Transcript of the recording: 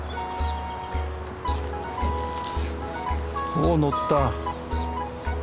お乗った。